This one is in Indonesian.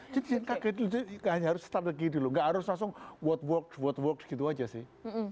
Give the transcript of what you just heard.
jadi kaget jadi harus start lagi dulu gak harus langsung what works what works gitu aja sih